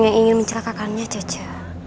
yang ingin mencelakakannya cece